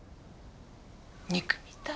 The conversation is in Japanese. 憎みたい？